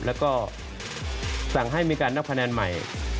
แล้วก็สั่งให้มีการนับคะแนนใหม่